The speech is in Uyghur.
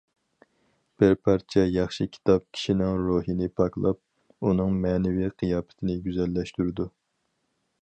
بىر پارچە ياخشى كىتاب كىشىنىڭ روھىنى پاكلاپ، ئۇنىڭ مەنىۋى قىياپىتىنى گۈزەللەشتۈرىدۇ.